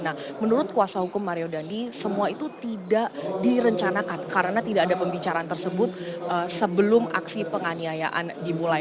nah menurut kuasa hukum mario dandi semua itu tidak direncanakan karena tidak ada pembicaraan tersebut sebelum aksi penganiayaan dimulai